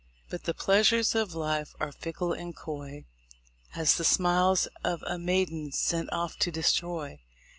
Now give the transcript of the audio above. But the pleasures of life are fickle and coy As the smiles of a maiden sent off to destroy.